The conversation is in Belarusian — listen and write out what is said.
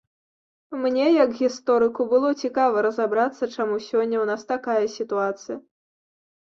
Мне, як гісторыку, было цікава разабрацца, чаму сёння ў нас такая сітуацыя.